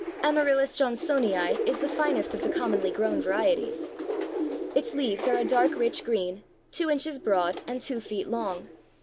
Amaryllis Johnsonii is the finest of the commonly grown varieties. Its leaves are a dark rich green, two inches broad, and two feet long.